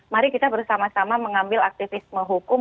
mari kita bersama sama mengambil aktivisme hukum